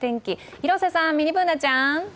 広瀬さん、ミニＢｏｏｎａちゃん。